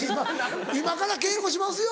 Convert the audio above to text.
「今から稽古しますよ」